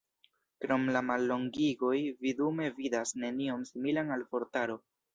Krom la mallongigoj vi dume vidas nenion similan al vortaro.